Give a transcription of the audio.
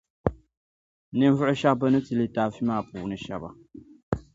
Ninvuɣu shεba bɛ ni ti litaafi maa puuni shεba yεli.